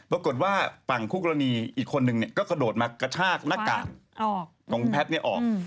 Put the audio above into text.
ปรากฏว่าฝั่งคู่กรณีอีกคนนึงก็กระโดดมากระชากหน้ากากของคุณแพทย์ออก